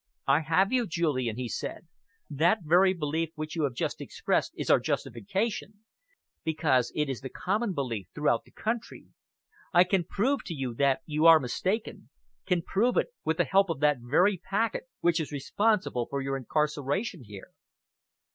"I have you, Julian," he said. "That very belief which you have just expressed is our justification, because it is the common belief throughout the country. I can prove to you that you are mistaken can prove it, with the help of that very packet which is responsible for your incarceration here."